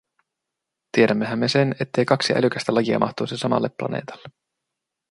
Tiedämmehän me sen, ettei kaksi älykästä lajia mahtuisi samalle planeetalle.